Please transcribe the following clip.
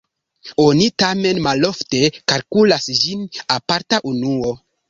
Oni tamen malofte kalkulas ĝin aparta unuo.